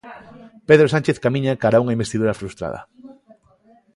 Pedro Sánchez camiña cara a unha investidura frustrada.